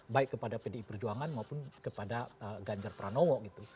baik kepada pdi perjuangan maupun kepada ganjar pranowo gitu